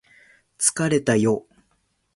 疲れたよ